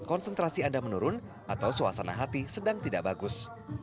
konsentrasi anda menurun atau suasana hati sedang tidak bagus